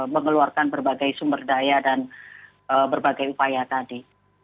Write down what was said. mengeluarkan berbagai sumber daya dan berbagai upaya tadi